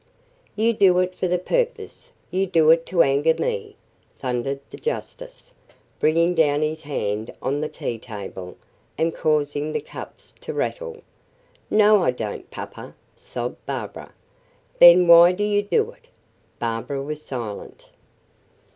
"You do it for the purpose; you do it to anger me," thundered the justice, bringing down his hand on the tea table and causing the cups to rattle. "No I don't, papa," sobbed Barbara. "Then why do you do it?" Barbara was silent.